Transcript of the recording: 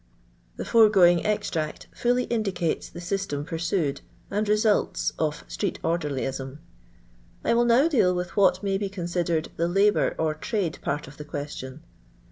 The foregoing extract fully indicates the system punned and results of street ordcrlyisro. I will now deal with what may be considered the labour or trade part of tka question.